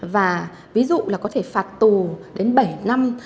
và ví dụ là có thể phạt tù đến bảy năm